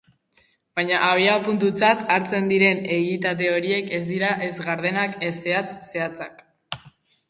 Baina, abiapuntutzat hartzen diren egitate horiek ez dira ez gardenak ez zehatz-zehatzak.